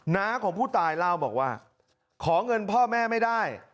น้าของผู้ตายเล่าบอกว่าขอเงินพ่อแม่ไม่ได้